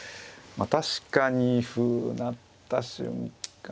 まあ確かに歩成った瞬間